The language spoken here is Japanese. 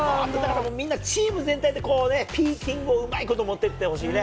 みんなチーム全体で、こうね、うまいこともっていってほしいね。